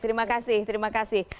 terima kasih terima kasih